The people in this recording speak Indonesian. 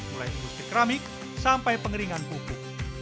mulai industri keramik sampai pengeringan pupuk